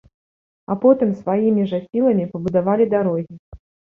А потым сваімі жа сіламі пабудавалі дарогі.